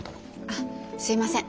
あっすいません。